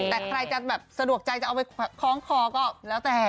แต่ใครจะแบบสะดวกใจจะเอาไปคล้องคอก็แล้วแต่